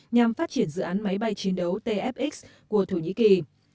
nhằm phát triển dự án máy bay chiến đấu tfx của thổ nhĩ kỳ